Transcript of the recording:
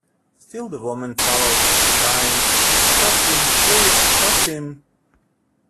Still the woman follows, crying, "Stop him, please stop him!"